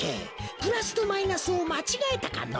プラスとマイナスをまちがえたかの？